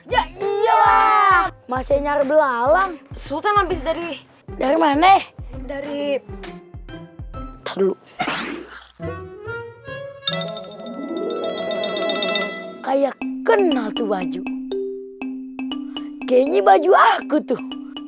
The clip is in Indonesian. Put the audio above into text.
ya masih nyar belalang sultan habis dari dari mana dari teluk kayak kenal baju baju aku tuh